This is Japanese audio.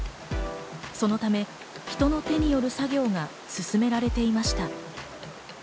そのため、人の手による作業が進められていました。